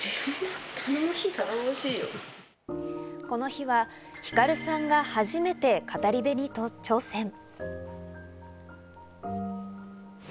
この日はひかるさんが初めて語り部に挑戦。